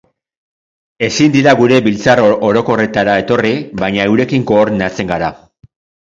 Ezin dira gure biltzar orokorretara etorri, baina eurekin koordinatzen gara.